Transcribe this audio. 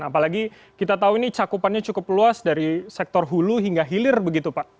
apalagi kita tahu ini cakupannya cukup luas dari sektor hulu hingga hilir begitu pak